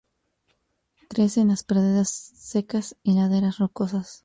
Crece en las praderas secas y laderas rocosas.